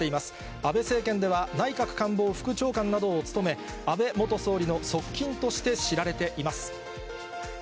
安倍政権では内閣官房副長官などを務め、安倍元総理の側近として知られています。